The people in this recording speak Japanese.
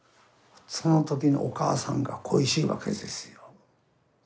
その時にお母さんが恋しいわけですよ。